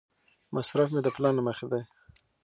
مصرف مې د پلان له مخې دی.